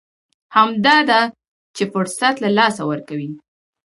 همدا ده چې فرصت له لاسه ورکوي.